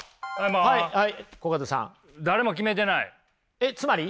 えっつまり？